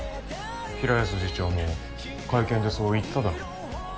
平安次長も会見でそう言っただろ。